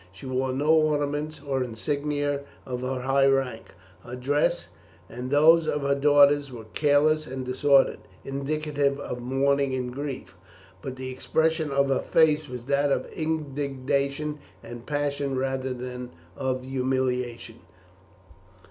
She wore no ornaments or insignia of her high rank; her dress and those of her daughters were careless and disordered, indicative of mourning and grief, but the expression of her face was that of indignation and passion rather than of humiliation.